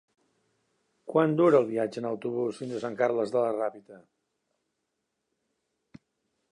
Quant dura el viatge en autobús fins a Sant Carles de la Ràpita?